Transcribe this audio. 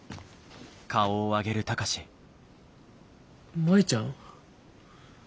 舞ちゃん。